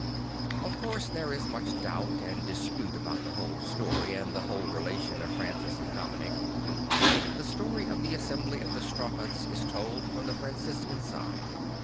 Of course there is much doubt and dispute about the whole story and the whole relation of Francis and Dominic; and the story of the Assembly of the Straw Huts is told from the Franciscan side.